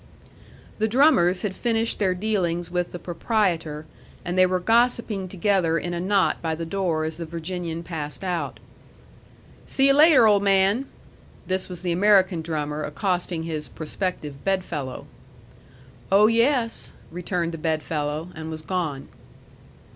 The drummers had finished their dealings with the proprietor, and they were gossiping together in a knot by the door as the Virginian passed out. "See you later, old man!" This was the American drummer accosting his prospective bed fellow. "Oh, yes," returned the bed fellow, and was gone.